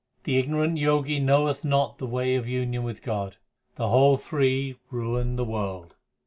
The ignorant Jogi knoweth not the way of union with God, The whole three ruin the world.